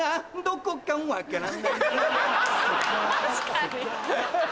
確かに。